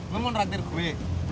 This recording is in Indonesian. lu mau narantir kue